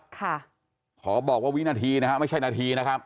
ขอบอกว่าวินาทีนะฮะไม่ใช่นาทีนะครับ